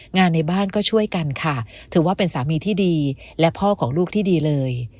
ในบ้านก็ช่วยกันค่ะถือว่าเป็นสามีที่ดีและพ่อของลูกที่ดีเลย